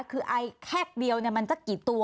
คือไอแคกเดียวเนี่ยมันจะกี่ตัว